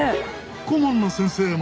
顧問の先生も。